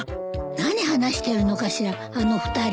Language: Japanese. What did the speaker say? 何話してるのかしらあの２人。